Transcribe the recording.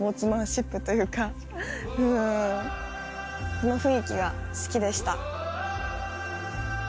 この雰囲気が好きでした。